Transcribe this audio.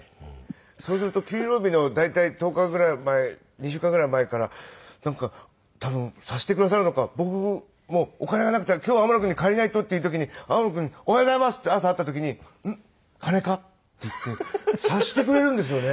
そうすると給料日の大体１０日ぐらい前２週間ぐらい前から多分察してくださるのか僕もうお金がなくて今日天野くんに借りないとっていう時に天野くんに「おはようございます」って朝会った時に「ん？金か？」って言って察してくれるんですよね。